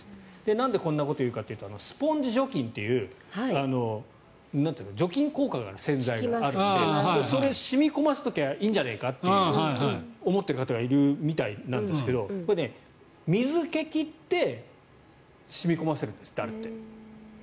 なんでこんなことを言うかというとスポンジ除菌という除菌効果がある洗剤ありますけどそれを染み込ませておけばいいんじゃないかと思っている方がいるみたいなんですけどこれ、水気を切って染み込ませるんですって。